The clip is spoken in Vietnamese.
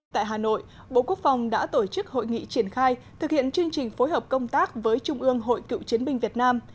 tại hà nội bộ quốc phòng đã tổ chức hội nghị triển khai thực hiện chương trình phối hợp công tác với trung ương hội cựu chiến binh việt nam